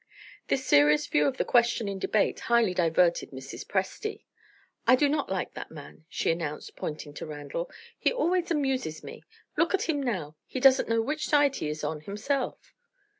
This serious view of the question in debate highly diverted Mrs. Presty. "I do not like that man," she announced, pointing to Randal; "he always amuses me. Look at him now! He doesn't know which side he is on, himself."